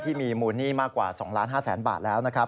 มูลหนี้มากกว่า๒๕๐๐๐๐บาทแล้วนะครับ